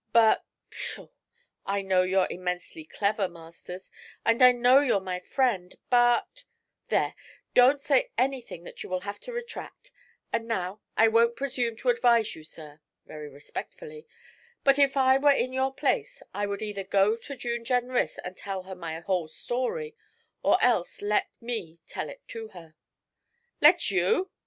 But pshaw! I know you're immensely clever, Masters, and I know you're my friend, but ' 'There, don't say anything that you will have to retract; and now, I won't presume to advise you, sir,' very respectfully, 'but if I were in your place I would either go to June Jenrys and tell her my whole story, or else let me tell it to her.' 'Let you!'